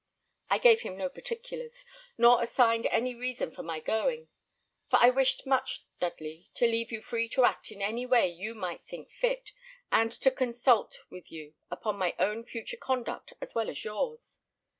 I gave him no particulars, nor assigned any reason for my going; for I wished much, Dudley, to leave you free to act in any way you might think fit, and to consult with you upon my own future conduct as well as yours.